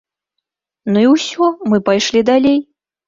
Ну і ўсё, мы пайшлі далей.